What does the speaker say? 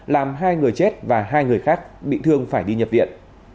làm hai người chết và hai người khác bị thương phải đi nhập viện